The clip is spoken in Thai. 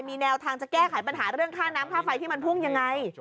มีแนวทางจะแก้ไขปัญหาเรื่องค่าน้ำค่าไฟที่มันพุ่งยังไง